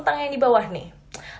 tangan yang di bawah nih